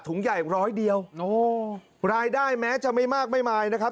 ใหญ่ร้อยเดียวโอ้รายได้แม้จะไม่มากไม่มายนะครับ